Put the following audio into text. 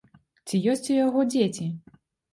Ці ёсць у яго дзеці?